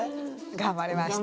頑張りました。